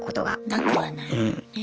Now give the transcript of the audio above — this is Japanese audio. なくはないもんね。